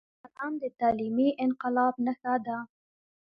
قلم د تعلیمي انقلاب نښه ده